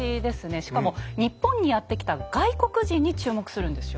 しかも日本にやってきた外国人に注目するんですよ。